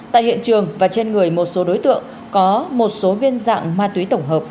tại hiện trường và trên người một số đối tượng có một số viên dạng ma túy tổng hợp